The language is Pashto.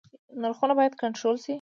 نرخونه باید کنټرول شي